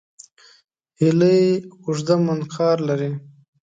هیلۍ اوږده منقار لري